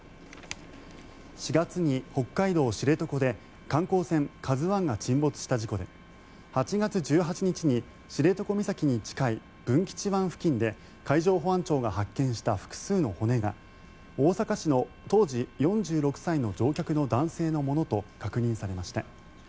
４月に北海道・知床で観光船「ＫＡＺＵ１」が沈没した事故で８月１８日に知床岬に近い文吉湾近くで海上保安庁が発見した複数の骨が大阪市の当時４６歳の乗客の男性のものと確認されました。